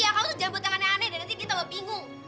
iya kamu tuh jambu tangannya aneh dan nanti kita bingung